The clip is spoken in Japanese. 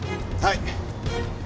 はい。